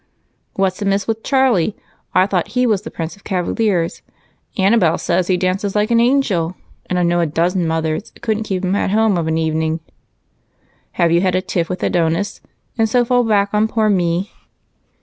"What's amiss with Charlie? I thought he was the prince of cavaliers. Annabel says he dances 'like an angel,' and I know a dozen mothers couldn't keep him at home of an evening. Have you had a tiff with Adonis and so fall back on poor me?"